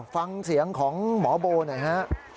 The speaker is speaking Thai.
ฟังเสียงของหมอโบหน่อยฮะ